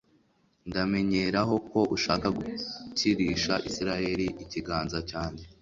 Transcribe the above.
ndamenyeraho ko ushaka gukirisha israheli ikiganza cyanjye